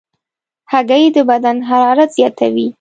هګۍ د بدن حرارت زیاتوي.